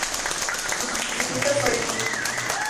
Su sustituto fue Steve.